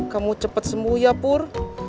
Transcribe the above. kamu cepat sembuh ya pur